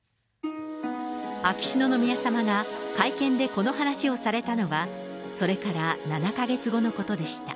秋篠宮さまが会見でこの話をされたのは、それから７か月後のことでした。